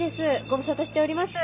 ご無沙汰しております。